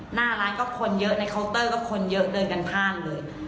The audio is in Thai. หน้าร้านก็คนเยอะในเคาน์เตอร์ก็คนเยอะเดินกันพลาดเลย